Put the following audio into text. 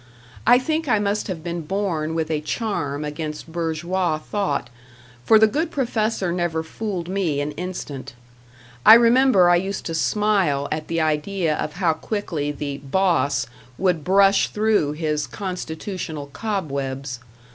I think I must have been born with a charm against #bourgeois# thought, for the good professor never fooled me an instant; I remember I used to smile at the idea of how quickly the "boss" would brush through his constitutional cobwebs.